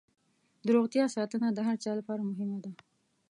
د روغتیا ساتنه د هر چا لپاره مهمه ده.